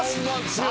さあ